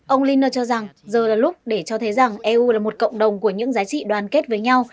ông linner cho rằng giờ là lúc để cho thấy rằng eu là một cộng đồng của những giá trị đoàn kết với nhau